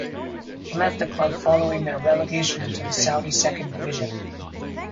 He left the club following their relegation to the Saudi Second Division.